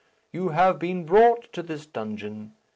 You have been brought to this dungeon.